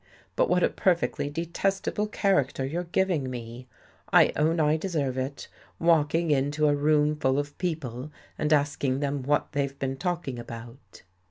But what a perfectly detestable character you're giving me. I own I deserve it, walking into a roomful of people and ask ing them what they've been talking about."